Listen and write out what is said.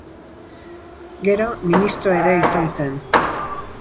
Gero, ministro ere izan zen.